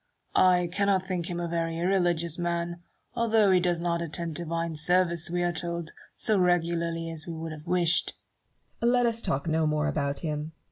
I cannot think him a very irreligious man, although he does not attend divine service, we are told, so regularly as we could have wished. Barrow. Let us talk no more about him.